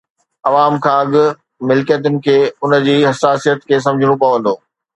عوام کان اڳ ملڪيتن کي ان جي حساسيت کي سمجهڻو پوندو.